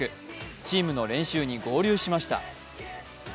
チームの練習に合流しました。